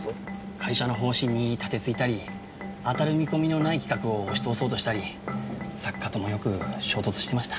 会社の方針に盾ついたり当たる見込みのない企画を押し通そうとしたり作家ともよく衝突してました。